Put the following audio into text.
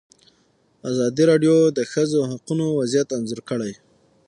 ازادي راډیو د د ښځو حقونه وضعیت انځور کړی.